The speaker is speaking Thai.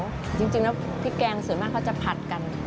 ไม่ได้ความเหนียวจริงแล้วพริกแกงส่วนมากเขาจะผัดกัน